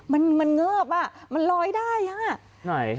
มันเงือบมันลอยได้ฮะ